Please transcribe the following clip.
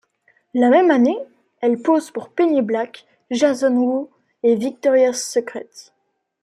La même année, elle pose pour Pennyblack, Jason Wu et Victoria's Secret.